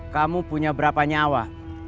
kamu punya berapa nyawa